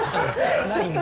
ないんだ。